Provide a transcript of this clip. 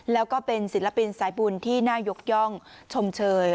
แล้วก็เป็นศิลปินสายบุญที่น่ายกย่องชมเชย